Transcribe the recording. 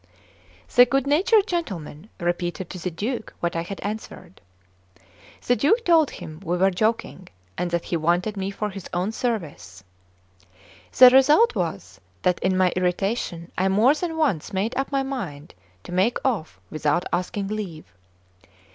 The good natured gentleman repeated to the Duke what I had answered. The Duke told him we were joking, and that he wanted me for his own service. The result was that in my irritation I more than once made up my mind to make off without asking leave.